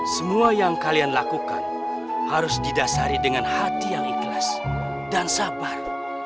semua yang kalian lakukan harus didasari dengan hati yang ikhlas dan sabar